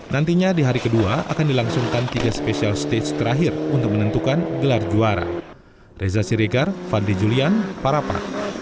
nantinya di hari kedua akan dilangsungkan tiga special stage terakhir untuk menentukan gelar juara